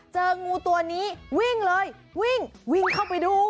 เจองูตัวนี้วิ่งเลยวิ่งวิ่งเข้าไปดู